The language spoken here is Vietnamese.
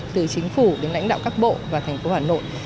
từ chính phủ đến lãnh đạo các bộ và thành phố hà nội